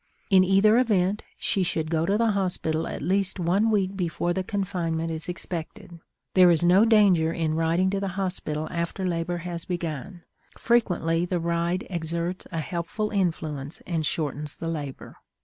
In either event, she should go to the hospital at least one week before the confinement is expected. There is no danger in riding to the hospital after labor has begun; frequently, the ride exerts a helpful influence and shortens the labor.